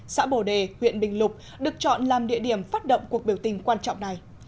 xã bồ đề huyện bình lục được chọn làm địa điểm phát động cuộc biểu tình quan trọng này